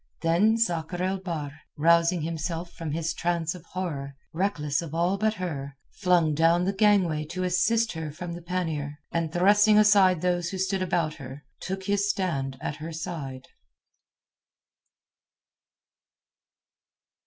Then Sakr el Bahr, rousing himself from his trance of horror, reckless of all but her, flung down the gangway to assist her from the pannier, and thrusting aside those who stood about her, took his stand at her side.